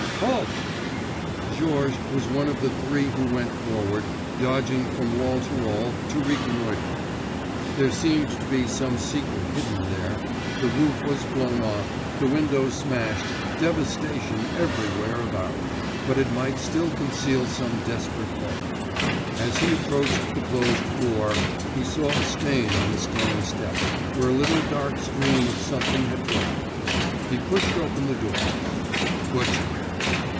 Halt! Georges was one of the three who went forward, dodging from wall to wall, to reconnoiter. There seemed to be some secret hidden there—the roof was blown off, the windows smashed, devastation everywhere about—but it might still conceal some desperate foe. As he approached the closed door, he saw a stain on the stone step, where a little dark stream of something had dried. He pushed open the door—butchery!